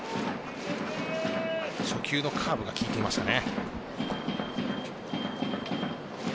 初球のカーブが効いていましたね。